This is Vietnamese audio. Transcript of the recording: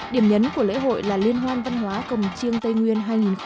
điểm nhấn của lễ hội là liên hoan văn hóa cồng chiêng tây nguyên hai nghìn một mươi bảy